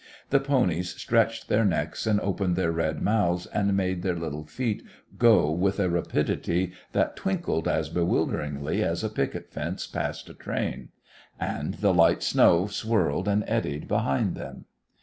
The ponies stretched their necks and opened their red mouths and made their little feet go with a rapidity that twinkled as bewilderingly as a picket fence passing a train. And the light snow swirled and eddied behind them.